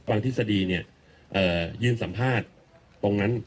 บางทฤษฎีเนี่ยยืนสัมภาษณ์ตรงนั้น